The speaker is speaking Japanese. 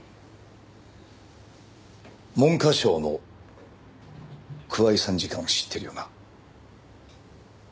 文科省の桑井参事官を知ってるよな。